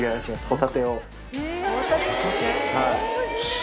ホタテ？